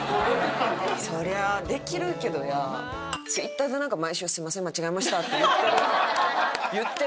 そりゃできるけどやツイッターで毎週すいません間違えましたって言ってる。